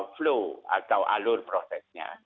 flow atau alur prosesnya